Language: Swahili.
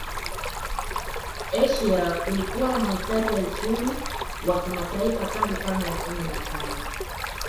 Asia kulikuwa na mahitaji ya uchumi wa kimataifa tangu karne ya kumi na tano